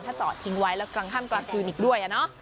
ถ้าต่อทิ้งไว้แล้วกลางข้ามกลับคืนอีกด้วย